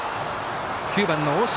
９番の大城。